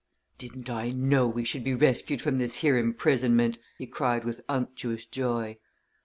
"Didn't I know we should be rescued from this here imprisonment!" he cried with unctuous joy.